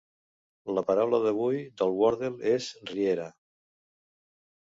La paraula d'avui del Worlde és "riera".